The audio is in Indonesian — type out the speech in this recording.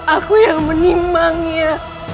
aku yang menimangnya